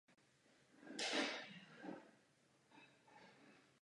Je namířena proti zájmům zaměstnanců i proti zájmům Evropy.